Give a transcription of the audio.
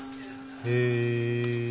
へえ。